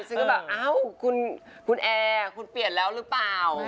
ซึ่งก็แบบอ้าวคุณแอร์คุณเปลี่ยนแล้วหรือเปล่า